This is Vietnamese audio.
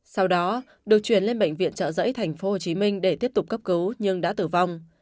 sau đó được chuyển lên bệnh viện trợ giấy tp hcm để tiếp tục cấp cứu nhưng đã tử vong